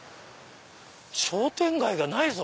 商店街がないぞ。